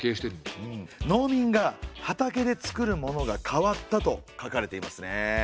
「農民が畑で作るものが変わった」と書かれていますね。